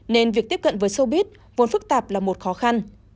nên việc tiếp cận với showbiz vốn phức tạp là một khó khăn